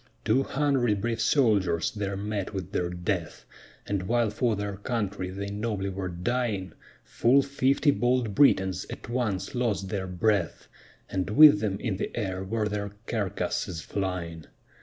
Two hundred brave soldiers there met with their death; And while for their country they nobly were dying, Full fifty bold Britons at once lost their breath, And with them in the air were their carcasses flying.